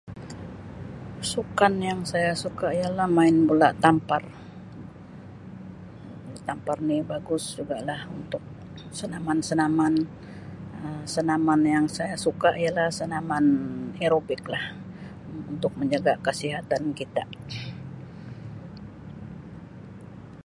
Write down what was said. Sukan yang saya suka ialah main bola tampar, [unintelligible] tampar ni bagus jugalah untuk senaman-senaman. Um senaman yang saya suka ialah senaman aerobik lah un-untuk menjaga kesihatan kita.